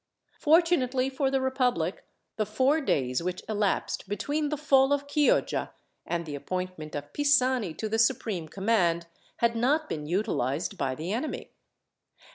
Fortunately for the republic, the four days which elapsed between the fall of Chioggia, and the appointment of Pisani to the supreme command, had not been utilized by the enemy.